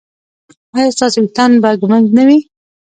ایا ستاسو ویښتان به ږمنځ نه وي؟